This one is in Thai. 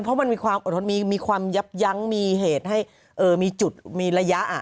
เพราะมันมีความอดทนมีความยับยั้งมีเหตุให้มีจุดมีระยะ